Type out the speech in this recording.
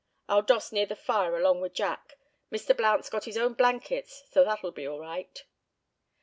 I'll doss near the fire along with Jack. Mr. Blount's got his own blankets, so that'll be all right."